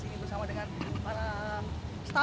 ini bersama dengan para staff